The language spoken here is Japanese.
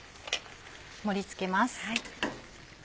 盛り付けます。